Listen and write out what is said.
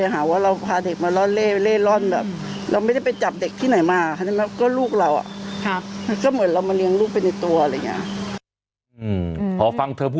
โหแบบเขาขอทางขอทานเลย